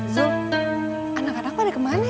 zul anak anak pada kemana ya